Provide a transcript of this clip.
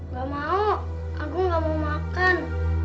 gak mau aku gak mau makan